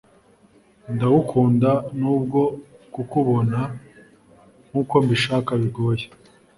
ndagukunda nubwokukubona nkukombishaka bigoye